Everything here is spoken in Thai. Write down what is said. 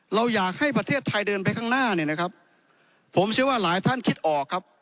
เราอยากให้ประเทศไทยเดินไปข้างหน้าเนี่ยนะครับผมเชื่อว่าหลายท่านคิดออกครับ